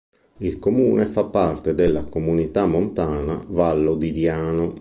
Il comune fa parte della Comunità montana Vallo di Diano.